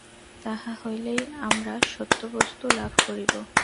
তাহা হইলেই আমরা সত্য বস্তু লাভ করিব।